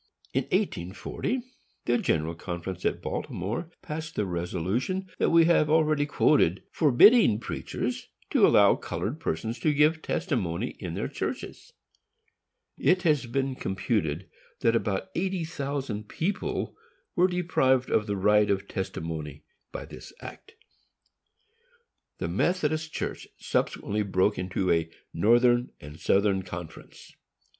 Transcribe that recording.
In 1840, the General Conference at Baltimore passed the resolution that we have already quoted, forbidding preachers to allow colored persons to give testimony in their churches. It has been computed that about eighty thousand people were deprived of the right of testimony by this act. This Methodist Church subsequently broke into a Northern and Southern Conference.